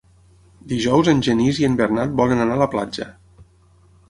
Dijous en Genís i en Bernat volen anar a la platja.